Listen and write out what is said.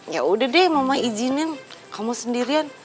yaudah deh mama izinin kamu sendirian